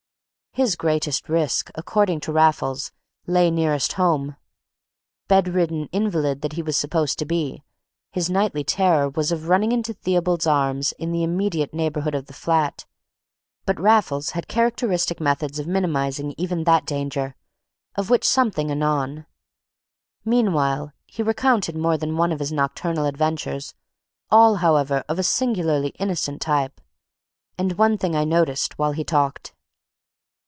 His greatest risk, according to Raffles, lay nearest home: bedridden invalid that he was supposed to be, his nightly terror was of running into Theobald's arms in the immediate neighborhood of the flat. But Raffles had characteristic methods of minimizing even that danger, of which something anon; meanwhile he recounted more than one of his nocturnal adventures, all, however, of a singularly innocent type; and one thing I noticed while he talked.